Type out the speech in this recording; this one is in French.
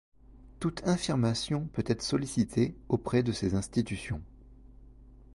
Toute infirmation peut être sollicitée auprès de ces institutions.